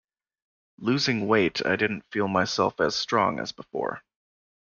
Losing weight I did't feel myself as strong as before.